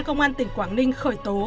công an tỉnh quảng ninh khởi tố